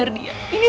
kalau gak rabbit